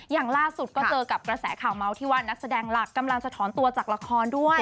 อย่างล่าสุดก็เจอกับกระแสข่าวเมาส์ที่ว่านักแสดงหลักกำลังสะท้อนตัวจากละครด้วย